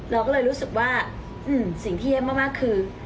เราก็เลยรู้สึกว่าสิ่งที่เยี่ยมมากคือ